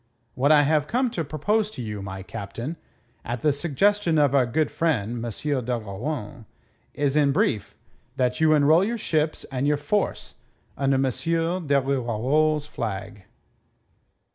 What I have come to propose to you, my Captain, at the suggestion of our good friend M. d'Ogeron, is, in brief, that you enroll your ships and your force under M. de Rivarol's flag."